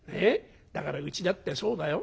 だからうちだってそうだよ。